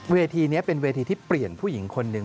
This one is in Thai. เวทีนี้เป็นเวทีที่เปลี่ยนผู้หญิงคนหนึ่ง